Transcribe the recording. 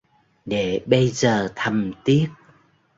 Để bây giờ thầm tiếc